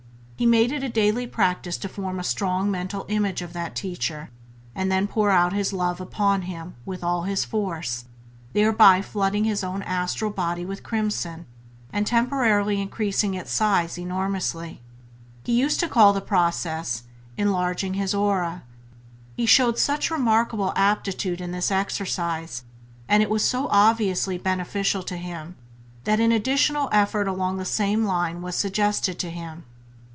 He made it a daily practice to form a strong mental image of that teacher, and then pour out his love upon him with all his force, thereby flooding his own astral body with crimson, and temporarily increasing its size enormously. He used to call the process "enlarging his aura". He showed such remarkable aptitude in this exercise, and it was so obviously beneficial to him, that an additional effort along the same line was suggested to him.